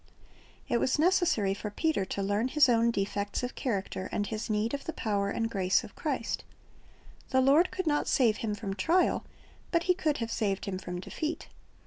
It was necessary for Peter to learn his owai defects of character, and his need of the power and grace of Christ. The Lord could not save him from trial, but He could have saved him from defeat.